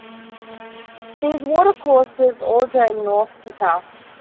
These watercourses all drain north to south.